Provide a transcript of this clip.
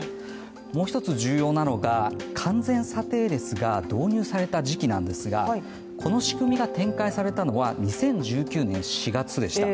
もう一つ重要なのが、完全査定レスが導入された時期なんですがこの仕組みが展開されたのは２０１９年４月でした。